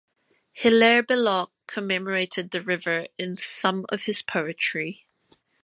Hilaire Belloc commemorated the river in some of his poetry.